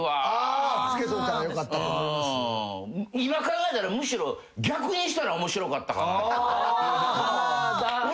今考えたらむしろ。にしたら面白かった。